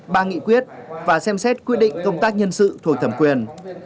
ba nghị quyết và xem xét quyết định công tác nhân sự thuộc thẩm quyền